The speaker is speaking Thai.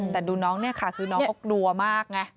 แต่ดูน้องเนี่ยค่ะคือน้องเขากลัวมากไง